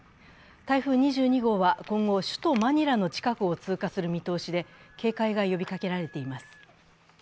台風２２号は今後、首都マニラの近くを通過する見通しで警戒が呼びかけられています。